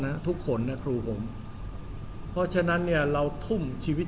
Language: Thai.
นะทุกคนนะครูผมเพราะฉะนั้นเนี่ยเราทุ่มชีวิต